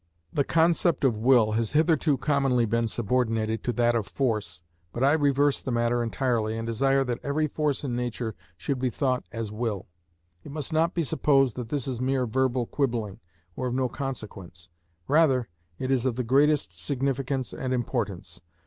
The concept of will has hitherto commonly been subordinated to that of force, but I reverse the matter entirely, and desire that every force in nature should be thought as will. It must not be supposed that this is mere verbal quibbling or of no consequence; rather, it is of the greatest significance and importance.